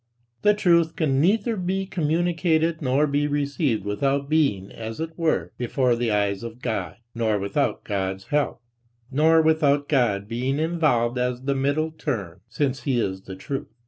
The truth can neither be communicated nor be received without being as it were before the eyes of God, nor without God's help, nor without God being involved as the middle term, since he is the truth.